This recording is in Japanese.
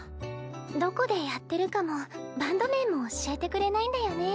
どこでやってるかもバンド名も教えてくれないんだよね。